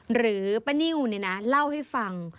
หรือประนิ่วนี่นะเล่าให้ฟัง